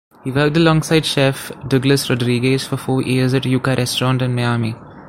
He worked alongside chef Douglas Rodriguez for four years at Yuca restaurant in Miami.